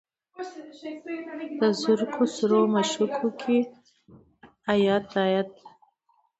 د زرکو سرو مشوکو کې ایات، ایات